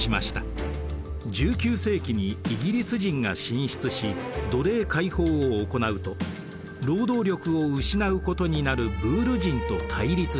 １９世紀にイギリス人が進出し奴隷解放を行うと労働力を失うことになるブール人と対立します。